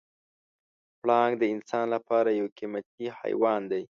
پړانګ د انسان لپاره یو قیمتي حیوان دی.